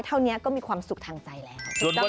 เท่านี้ก็มีความสุขทางใจแล้ว